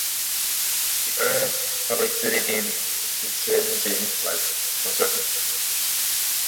The earliest public stadium in Tianjin was constructed.